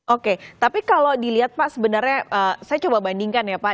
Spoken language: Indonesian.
oke tapi kalau dilihat pak sebenarnya saya coba bandingkan ya pak